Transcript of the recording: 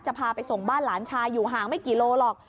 พาไปส่งบ้านหลานชายอยู่ห่างไม่กี่โลหรอก